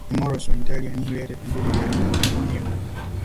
The Moros were entirely annihilated, including their leader, Datu Amil.